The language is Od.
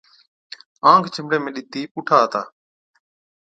آنک ڇِنڀڻي ۾ ڏِتِي پُوٺا آتا۔